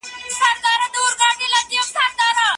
کډوال د کوربه هېواد لپاره ارزښت لري.